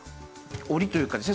檻というかですね